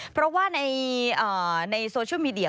เพราะว่าในโซเชียลมีเดีย